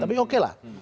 tapi oke lah